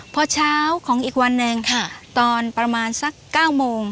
พอเช้าของอีกวันหนึ่งค่ะตอนประมาณสัก๙โมง